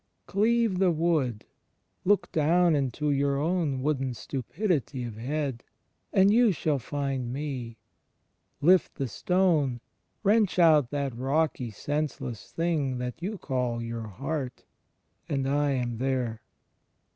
"Cleave the Wood" — look down into your own wooden stupidity of head, "and you shall find me. Lift the stone" — wrench out that rocky senseless thing that you call your heart "and I am there."